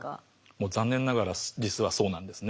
もう残念ながら実はそうなんですね。